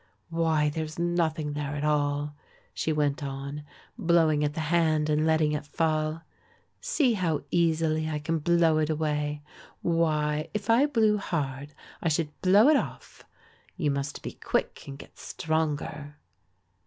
"Why, there's nothing there at all," she went on, blowing at the hand and letting it fall; "see how easily I can blow it away; why, if I blew hard I should blow it off. You must be quick and get stronger."